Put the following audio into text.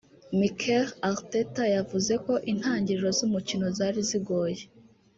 Mikel Arteta yavuze ko intangiriro z’umukino zari zigoye